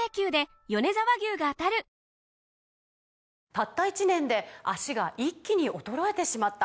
「たった１年で脚が一気に衰えてしまった」